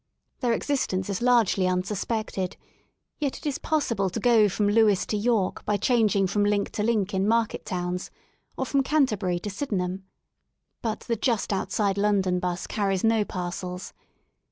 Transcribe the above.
Their existence is largely unsuspected, yet it is possible to go from Lewes to York by changing from link to link in market towns, or from Canterbury to Sydenham. But the just outside London 'bus carries no parcels.